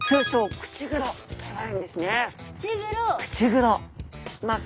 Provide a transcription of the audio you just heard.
口黒。